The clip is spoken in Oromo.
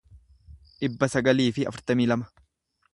dhibba sagalii fi afurtamii lama